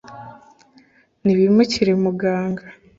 nibimukire mugaga,